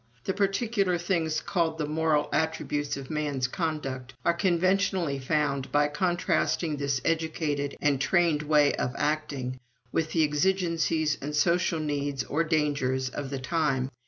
The particular things called the moral attributes of man's conduct are conventionally found by contrasting this educated and trained way of acting with the exigencies and social needs or dangers of the time.